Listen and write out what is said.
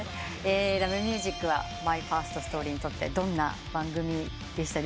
『Ｌｏｖｅｍｕｓｉｃ』はＭＹＦＩＲＳＴＳＴＯＲＹにとってどんな番組でしたでしょうか？